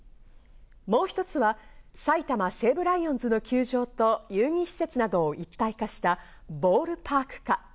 もう一つは埼玉西武ライオンズの球場と遊戯施設などを一体化した、ボールパーク化。